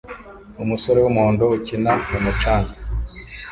Umusore wumuhondo ukina mumucanga